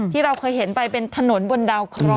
ที่เราเคยเห็นไปเป็นถนนบนดาวเคราะห